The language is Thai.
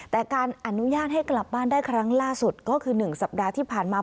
แต่การอนุญาตให้กลับบ้านได้ครั้งล่าสุดก็คือ๑สัปดาห์ที่ผ่านมา